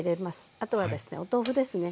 あとはですねお豆腐ですね。